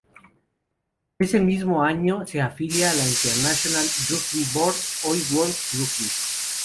Ese mismo año se afilia a la International Rugby Board, hoy World Rugby.